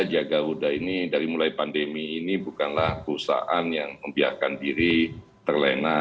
jaga ruda ini dari mulai pandemi ini bukanlah perusahaan yang membiarkan diri terlena